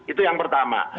itu yang pertama